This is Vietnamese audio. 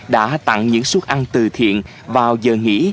đã tặng những suất ăn từ thiện vào giờ nghỉ